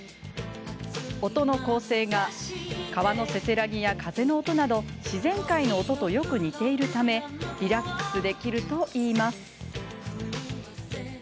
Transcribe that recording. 音の構成が川のせせらぎや風の音など自然界の音とよく似ているためリラックスできるといいます。